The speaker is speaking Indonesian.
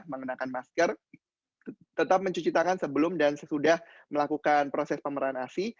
mengenakan masker tetap mencuci tangan sebelum dan sesudah melakukan proses pemeran asi